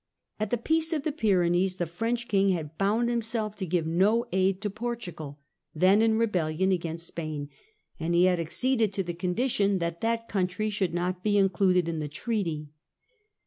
At the Peace France. G f t h e Py renees the French King had bound himself to give no aid to Portugal, then in rebellion against Spain, and he had acceded to the condition that that country should not be included in the treaty.